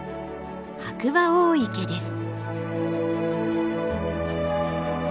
白馬大池です。